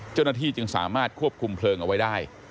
เจ้าหน้าที่จึงสามารถควบคุมเพลิงเอาไว้ได้